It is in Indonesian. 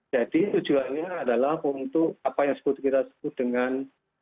jadi tujuannya adalah untuk apa yang kita sebut dengan